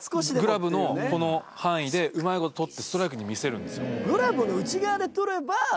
グラブのこの範囲でうまい事捕ってストライクに見せるんですよ。